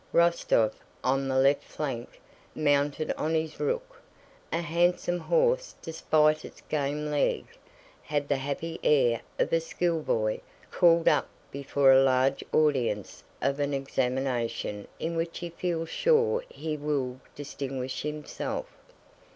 Rostóv on the left flank, mounted on his Rook—a handsome horse despite its game leg—had the happy air of a schoolboy called up before a large audience for an examination in which he feels sure he will distinguish himself.